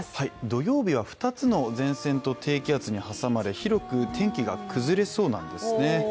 土曜日は２つの前線と低気圧に挟まれ広く天気が崩れそうなんですね。